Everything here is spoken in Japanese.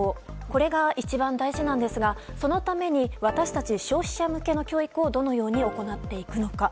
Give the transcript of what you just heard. これが一番大事なんですがそのために私たち消費者向けの教育をどのように行っていくのか。